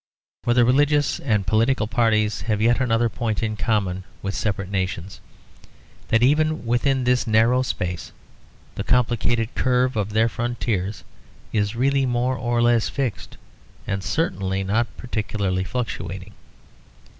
For the religious and political parties have yet another point in common with separate nations; that even within this narrow space the complicated curve of their frontiers is really more or less fixed, and certainly not particularly fluctuating.